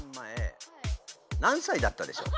何さいだったでしょう？